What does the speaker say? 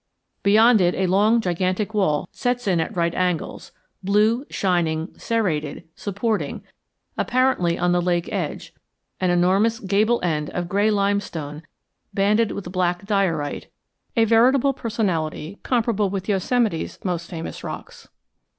Beyond it a long gigantic wall sets in at right angles, blue, shining, serrated, supporting, apparently on the lake edge, an enormous gable end of gray limestone banded with black diorite, a veritable personality comparable with Yosemite's most famous rocks.